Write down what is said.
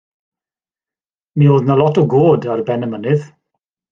Mi oedd 'na lot o goed ar ben y mynydd.